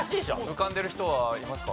浮かんでる人はいますか？